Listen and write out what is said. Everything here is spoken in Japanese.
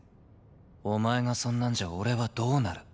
お前がそんなんじゃ俺はどうなる？